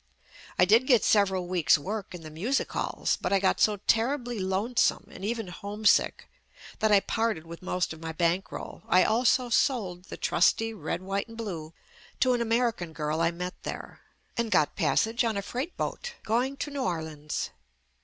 I did get several weeks' work in the music halls, but I got so terribly lonesome and even homesick that I parted with most of my bankroll (I also sold the trusty red, white and blue to an American girl I met there) and got passage on a freight boat going to New Orleans.